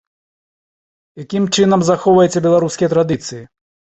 Якім чынам захоўваеце беларускія традыцыі?